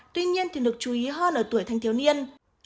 tuy nhiên thì được chú ý hơn ở tuổi thanh thiếu niên